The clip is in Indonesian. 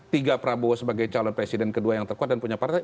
tiga prabowo sebagai calon presiden kedua yang terkuat dan punya partai